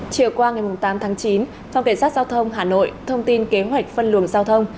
chiều qua ngày tám tháng chín phòng cảnh sát giao thông hà nội thông tin kế hoạch phân luồng giao thông